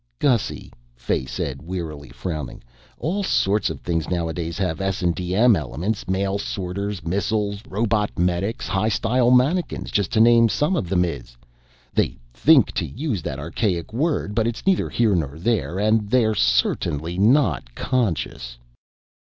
"Gussy," Fay said wearily, frowning, "all sorts of things nowadays have S&DM elements. Mail sorters, missiles, robot medics, high style mannequins, just to name some of the Ms. They 'think,' to use that archaic word, but it's neither here nor there. And they're certainly not conscious."